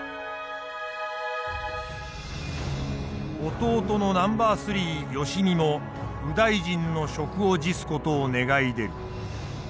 弟のナンバー３良相も右大臣の職を辞す事を願い出る。